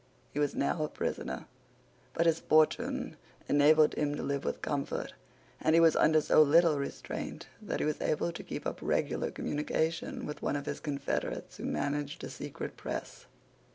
He was now a prisoner; but his fortune enabled him to live with comfort; and he was under so little restraint that he was able to keep up regular communication with one of his confederates who managed a secret press.